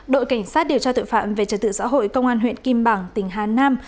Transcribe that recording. đội cảnh sát điều tra tội phạm về trật tự xã hội công an huyện kim bảng tỉnh hà nam